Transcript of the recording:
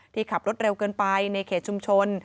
ที่ขับรถเร็วเกินไปในเครียดชุมชน